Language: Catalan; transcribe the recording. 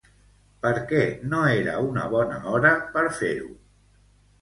Per què no era una bona hora per fer-ho?